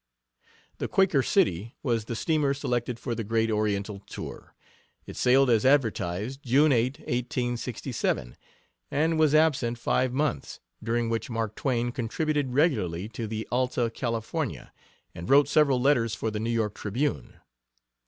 The Quaker City was the steamer selected for the great oriental tour. It sailed as advertised, June 8, 1867, and was absent five months, during which Mark Twain contributed regularly to the 'Alta California', and wrote several letters for the New York Tribune.